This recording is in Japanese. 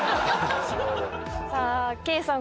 さあケイさん